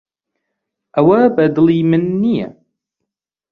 ئەوە بەدڵی من نییە.